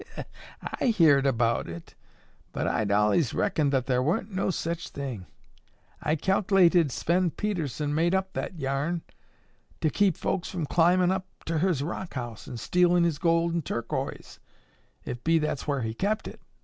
"I heerd about it, but I'd allays reckoned thar wa'n't no sech thing. I cal'lated Sven Pedersen made up that thar yarn to keep folks from climbin' up ter his rock house an' stealin' his gold an' turquoise, if be that's whar he kept it.